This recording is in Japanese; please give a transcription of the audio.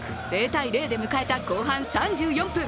０ー０で迎えた後半３４分。